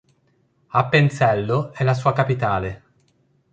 Appenzello è la sua capitale.